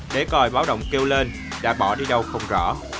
để coi báo động kêu lên đã bỏ đi đâu không rõ